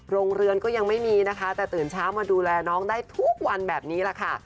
โรงเรียนก็ยังไม่มีนะคะแต่ตื่นเช้ามาดูแลน้องได้ทุกวันแบบนี้แหละค่ะ